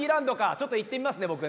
ちょっと行ってみますね僕ね。